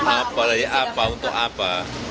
apalagi apa untuk apa